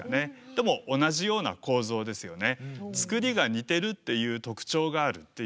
でも同じような構造ですよね。